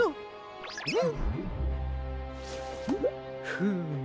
フーム。